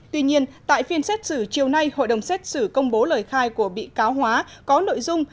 tuy nhiên tại phiên xét xử chiều nay hội đồng xét xử công bố lời khai của bị cáo hóa có nội dung